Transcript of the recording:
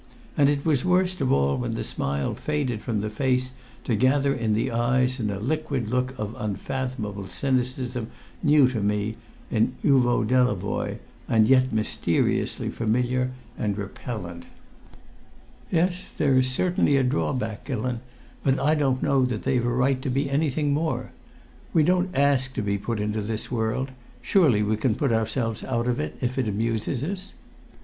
And it was worst of all when the smile faded from the face to gather in the eyes, in a liquid look of unfathomable cynicism, new to me in Uvo Delavoye, and yet mysteriously familiar and repellent. "Yes; they're certainly a drawback, Gillon, but I don't know that they've a right to be anything more. We don't ask to be put into this world; surely we can put ourselves out if it amuses us."